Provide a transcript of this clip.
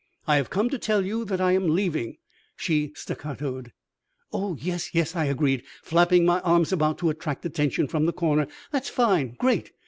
"I have come to tell you that I am leaving," she staccatoed. "Oh, yes, yes!" I agreed, flapping my arms about to attract attention from the corner. "That's fine great!"